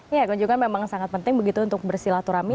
ya kunjungan memang sangat penting begitu untuk bersilaturahmi